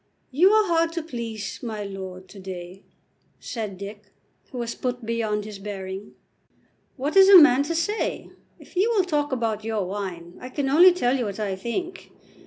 "You are hard to please, my lord, to day," said Dick, who was put beyond his bearing. "What is a man to say? If you will talk about your wine, I can only tell you what I think.